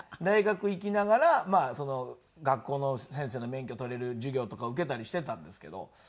大学行きながら学校の先生の免許取れる授業とか受けたりしてたんですけど。